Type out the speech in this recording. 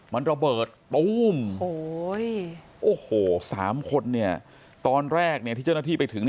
มันระเบิดตู้มโอ้โห๓คนตอนแรกที่เจ้าหน้าที่ไปถึง